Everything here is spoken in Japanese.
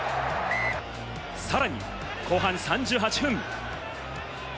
さらに後半３８分。